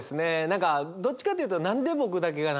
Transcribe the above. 何かどっちかっていうと「何で僕だけが」